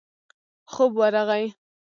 خوب ورغی.